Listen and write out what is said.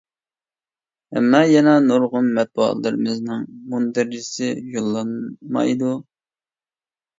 ئەمما يەنە نۇرغۇن مەتبۇئاتلىرىمىزنىڭ مۇندەرىجىسى يوللانمايدۇ.